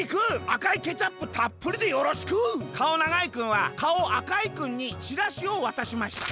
あかいケチャップたっぷりでよろしく！』かおながいくんはかおあかいくんにチラシをわたしました。